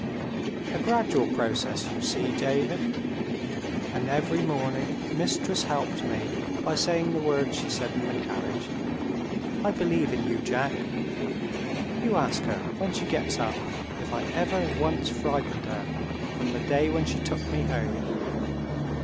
A gradual process, you see, David. And every morning Mistress helped me by saying the words she said in the carriage, 'I believe in you, Jack.' You ask her, when she gets up, if I ever once frightened her, from the day when she took me home."